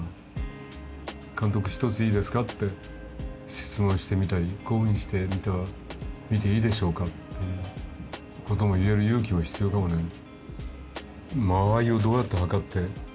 それを見てくれてるねこういうふうにしてみていいでしょうかっていうことも言える勇気は必要かもねあっ